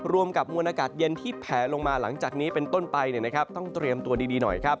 รวมกับมวลอากาศเย็นที่แผลลงมาหลังจากนี้เป็นต้นไปต้องเตรียมตัวดีหน่อย